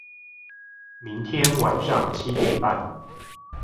明天晚上七點半